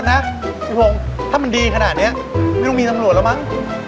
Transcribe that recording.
พี่พงศ์ถ้ามันดีขนาดนี้ไม่ต้องมีตำรวจแล้วมั้ง